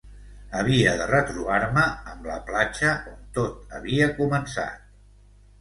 Havia de retrobar-me amb la platja on tot havia començat.